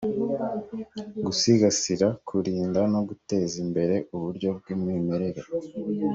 gusigasira kurinda no guteza imbere uburyo bw umwimerere hgs